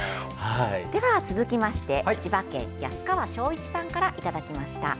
では続きまして千葉県、安川庄一さんからいただきました。